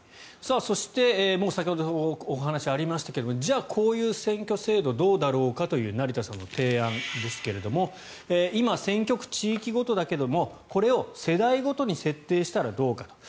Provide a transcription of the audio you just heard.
そして先ほど、お話がありましたがじゃあ、こういう選挙制度はどうだろうかという成田さんの提案ですが今、選挙区、地域ごとだけどこれを世代ごとに設定したらどうかと。